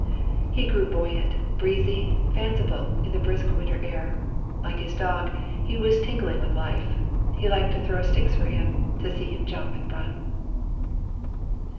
He grew buoyant, breezy, fanciful in the brisk winter air. Like his dog, he was tingling with life. He liked to throw sticks for him, to see him jump and run.